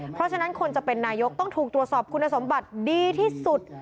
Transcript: เพราะฉะนั้นคนจะเป็นนายกต้องถูกตรวจสอบคุณสมบัติดีที่สุด